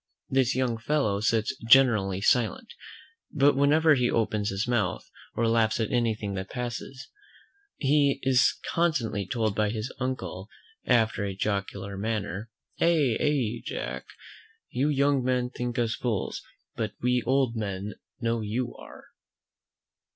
This young fellow sits generally silent; but whenever he opens his mouth, or laughs at anything that passes, he is constantly told by his uncle, after a jocular manner, "Ay, ay, Jack, you young men think us fools; but we old men know you are."